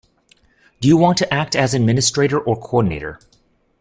Do you want to act as administrator or coordinator?